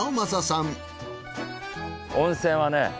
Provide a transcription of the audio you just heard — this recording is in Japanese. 温泉はね